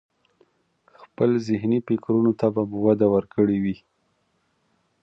خپل ذهني فکرونو ته به مو وده ورکړي وي.